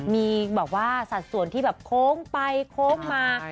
มีสัดส่วนที่โค้งไปโค้งมา